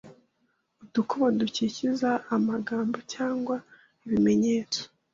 Udukubo dukikiza amagambo cyangwa ibimenyetso